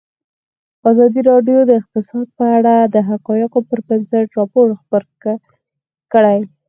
ازادي راډیو د اقتصاد په اړه د حقایقو پر بنسټ راپور خپور کړی.